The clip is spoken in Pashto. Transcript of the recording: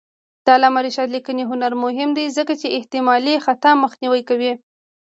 د علامه رشاد لیکنی هنر مهم دی ځکه چې احتمالي خطا مخنیوی کوي.